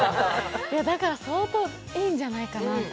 だから相当いいんじゃないかなって。